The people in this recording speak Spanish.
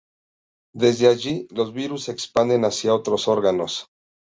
Desde allí, los virus se expanden hacia otros órganos.